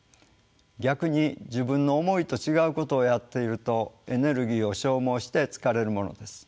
逆に自分の思いと違うことをやっているとエネルギーを消耗して疲れるものです。